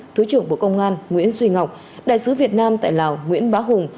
thứ trưởng bộ công an nguyễn duy ngọc đại sứ việt nam tại lào nguyễn bá hùng